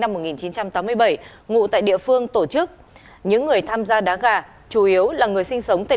năm một nghìn chín trăm tám mươi bảy ngụ tại địa phương tổ chức những người tham gia đá gà chủ yếu là người sinh sống tại